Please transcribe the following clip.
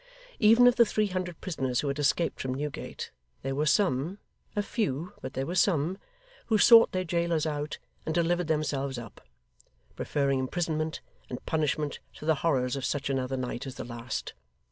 Even of the three hundred prisoners who had escaped from Newgate, there were some a few, but there were some who sought their jailers out and delivered themselves up: preferring imprisonment and punishment to the horrors of such another night as the last.